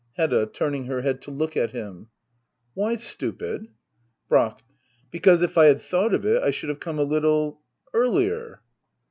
Hedda. [Turning her head to look at him.'] Why stupid ? Brack. Because if I had thought of it I should have come a little — earlier.